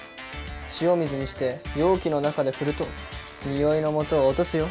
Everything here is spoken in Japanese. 塩水にして容器の中で振るとにおいのもとを落とすよ。